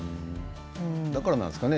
だからなんですかね。